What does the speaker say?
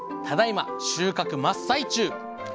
ただいま収穫真っ最中。